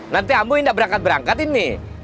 nanti abang tidak berangkat berangkatin nih